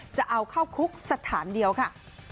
จะเอาเข้าคุกสถานเดียวค่ะ